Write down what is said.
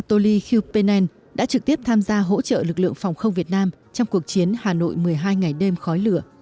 toly khupinen đã trực tiếp tham gia hỗ trợ lực lượng phòng không việt nam trong cuộc chiến hà nội một mươi hai ngày đêm khói lửa